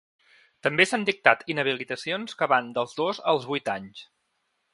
També s’han dictat inhabilitacions que van dels dos als vuit anys.